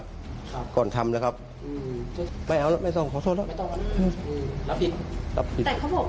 เกิดขึ้นทำไมเราปวิคกราบไม่ปาลวงได้